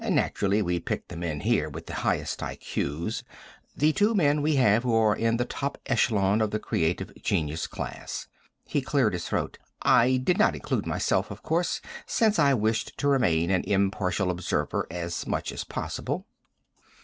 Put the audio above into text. Naturally, we picked the men here with the highest IQ's, the two men we have who are in the top echelon of the creative genius class." He cleared his throat. "I did not include myself, of course, since I wished to remain an impartial observer, as much as possible."